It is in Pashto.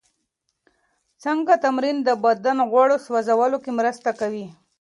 څنګه تمرین د بدن غوړ سوځولو کې مرسته کوي؟